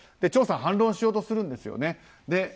チョウさん反論しようとするんですよね。